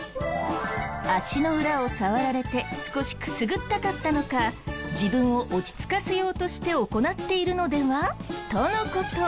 足の裏を触られて少しくすぐったかったのか自分を落ち着かせようとして行っているのでは？との事。